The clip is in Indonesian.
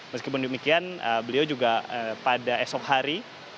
meskipun demikian beliau juga pada esok hari